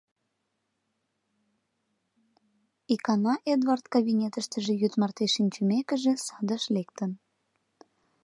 Икана Эдвард, кабинетыштыже йӱд марте шинчымекыже, садыш лектын.